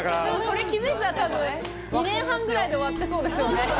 でもそれ気づいてたら多分２年半ぐらいで終わってそうですよね。